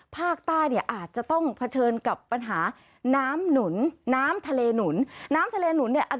ภาคใต้เนี่ยอาจจะต้องเผชิญกับปัญหาน้ำหนุนน้ำทะเลหนุนน้ำทะเลหนุนเนี่ย